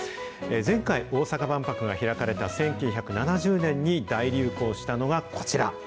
前回、大阪万博が開かれた１９７０年に大流行したのがこちら。